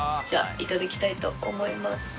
じゃあ頂きたいと思います。